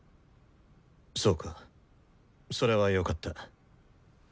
そうかそれはよかった。